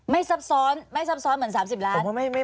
อ๋อไม่ซับซ้อนเหมือน๓๐ล้าน